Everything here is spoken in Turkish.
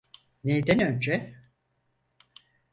Neyden önce?